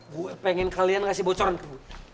gue pengen kalian ngasih bocoran ke gue